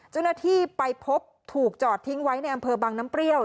เจ้าหน้าที่ไปพบถูกจอดทิ้งไว้ในอำเภอบังน้ำเปรี้ยว